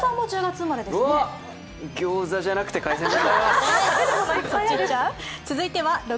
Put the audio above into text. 餃子じゃなくて海鮮丼。